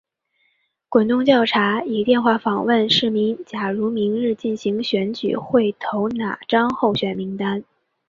滚动调查以电话访问市民假如明日进行选举会投哪张候选名单。